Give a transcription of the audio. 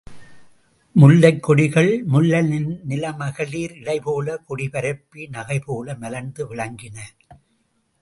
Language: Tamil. முல்லைக் கொடிகள், முல்லைநில மகளிர் இடை போலக் கொடி பரப்பி, நகை போல மலர்ந்து விளங்கின.